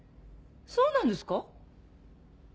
そうなんですか？